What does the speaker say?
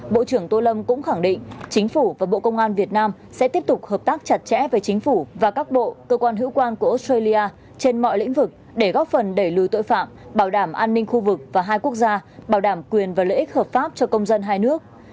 bộ trưởng tô lâm cũng khẳng định chính phủ và bộ công an việt nam sẽ tiếp tục hợp tác chặt chẽ với chính phủ và các bộ cơ quan hữu quan của australia trên mọi lĩnh vực để góp phần đẩy lùi tội phạm bảo đảm an ninh khu vực và hai quốc gia bảo đảm quyền và lợi ích hợp pháp cho công dân hai nước